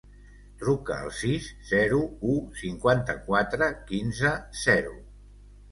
Truca al sis, zero, u, cinquanta-quatre, quinze, zero.